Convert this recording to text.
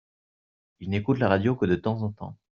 Ils n'écoutent la radio que de temps en temps.